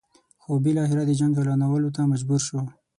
خو بالاخره د جنګ اعلانولو ته مجبور شو.